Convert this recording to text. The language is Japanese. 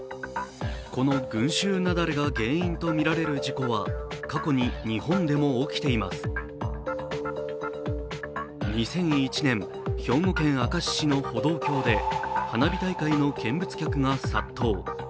この群衆雪崩が原因とみられる事故は２００１年、兵庫県明石市の歩道橋で花火大会の見物客が殺到。